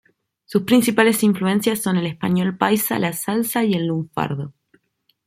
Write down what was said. Sus principales influencias son el español paisa, la salsa y el lunfardo.